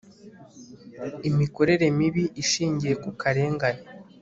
imikorere mibi ishingiye ku karengane